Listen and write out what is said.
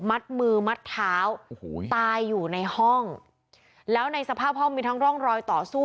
มัดมือมัดเท้าโอ้โหตายอยู่ในห้องแล้วในสภาพห้องมีทั้งร่องรอยต่อสู้